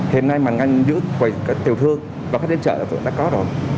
hiện nay mà ngang giữa quầy tiểu thương và khách đến chợ là chúng ta có rồi